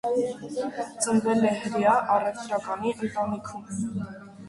Ծնվել է հրեա առևտրականի ընտանիքում։